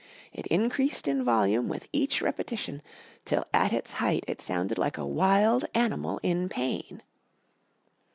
It increased in volume with each repetition, till at its height it sounded like a wild animal in pain.